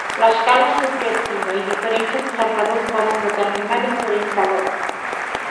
L'escala és subjectiva, i diferents observadors poden determinar diferents valors.